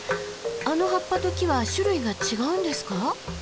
あの葉っぱと木は種類が違うんですか？